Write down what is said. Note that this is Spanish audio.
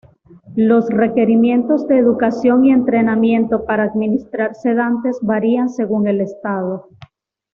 Los requerimientos de educación y entrenamiento para administrar sedantes varían según el Estado.